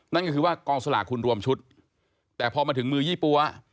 นั่นก็คือว่ากองสลากคุณรวมชุดแต่พอมาถึงมือยี่ปั๊ว